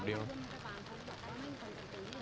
ชปคุมตะบางตอนนี้ถามภูมิเห็นตัวนั้นบ่อยอยู่